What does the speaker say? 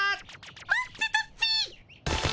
待ってたっピ。